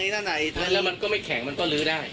ถ้าในแล้วมันก็ไม่แข็งมันก็ลื้อได้